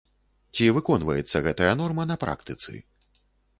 Ці выконваецца гэтая норма на практыцы?